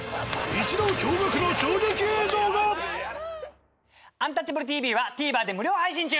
一同驚愕の「アンタッチャブるＴＶ」はＴＶｅｒで無料配信中！